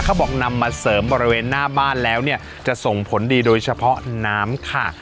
บอกนำมาเสริมบริเวณหน้าบ้านแล้วเนี่ยจะส่งผลดีโดยเฉพาะน้ำค่ะ